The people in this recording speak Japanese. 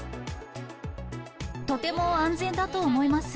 とても安全だと思います。